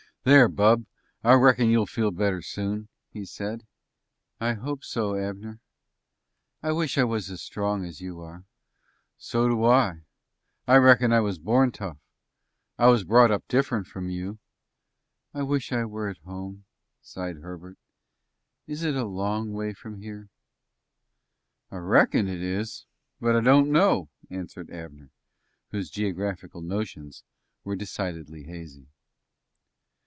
"There, bub; I reckon you'll feel better soon," he said. "I hope so, Abner. I wish I was as strong as you are." "So do I. I reckon I was born tough. I was brought up different from you." "I wish I were at home," sighed Herbert. "Is it a long way from here?" "I reckon it is, but I don't know," answered Abner, whose geographical notions were decidedly hazy.